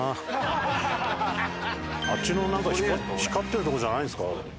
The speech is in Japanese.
あっちのなんか光ってるとこじゃないんですか？